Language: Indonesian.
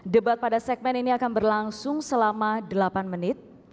debat pada segmen ini akan berlangsung selama delapan menit